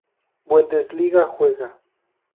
Bundesliga juega.